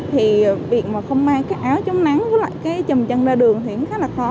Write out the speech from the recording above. thì việc mà không may cái áo chống nắng với lại cái chầm chân ra đường thì cũng khá là khó